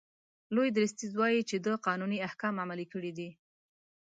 لوی درستیز وایي چې ده قانوني احکام عملي کړي دي.